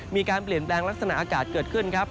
มีการเปลี่ยนแปลงลักษณะอากาศเกิดขึ้นครับ